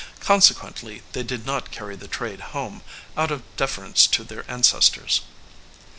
Consequently they did not carry the trade home, out of deference to their ancestors.